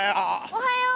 おはよう。